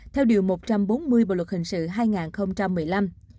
theo điều một trăm bốn mươi bộ luật hình sự hai nghìn một mươi năm